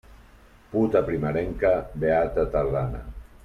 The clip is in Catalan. Puta primerenca, beata tardana.